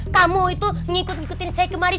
kamu itu ngikut ngikutin saya kemari